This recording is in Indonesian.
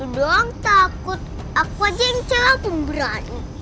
aku seorang takut aku aja yang salah pemberani